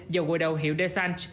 dầu gội đầu hiệu dessant